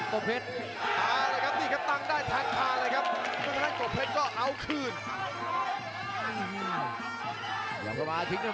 ประเภทมัยยังอย่างปักส่วนขวา